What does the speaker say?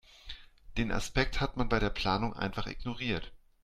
Den Aspekt hat man bei der Planung einfach ignoriert.